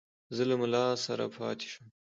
زه له مُلا سره پاته شوم.